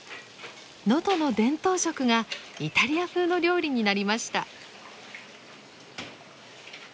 能登の伝統食がイタリア風の料理になりました。